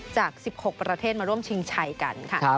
จาก๑๖ประเทศมาร่วมชิงชัยกันค่ะ